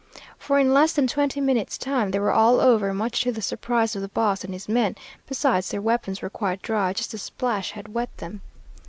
For in less than twenty minutes' time they were all over, much to the surprise of the boss and his men; besides, their weapons were quite dry; just the splash had wet them.